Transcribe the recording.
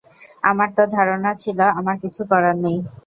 আমার তো ধারণা ছিল, আমার কিছু করার নেই।